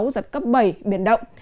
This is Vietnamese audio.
giật cấp bảy biển động